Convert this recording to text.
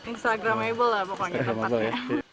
instagramable lah pokoknya tempatnya